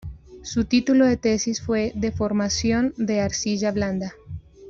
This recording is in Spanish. Su título de tesis fue Deformación de arcilla blanda.